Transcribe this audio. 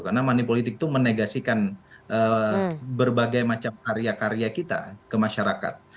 karena money politik itu menegasikan berbagai macam karya karya kita ke masyarakat